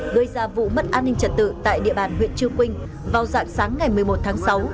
gây ra vụ mất an ninh trật tự tại địa bàn huyện chư quynh vào dạng sáng ngày một mươi một tháng sáu